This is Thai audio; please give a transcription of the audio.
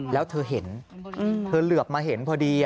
แล้วเธอเห็นเธอเหลือบมาเห็นพอดี